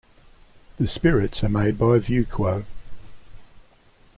The spirits are made by VuQo.